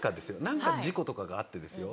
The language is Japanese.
何か事故とかがあってですよ